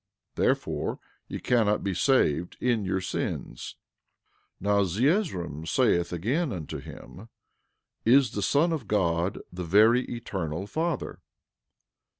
Therefore, ye cannot be saved in your sins. 11:38 Now Zeezrom saith again unto him: Is the Son of God the very Eternal Father?